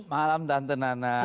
malam dante nana